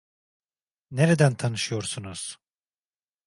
Nereden tanışıyorsunuz?